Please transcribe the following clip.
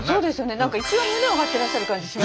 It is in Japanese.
何か一番胸を張ってらっしゃる感じしますよ。